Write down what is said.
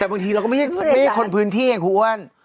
แต่บางทีเราก็ไม่ได้คนพื้นที่อย่างคุณอ้วน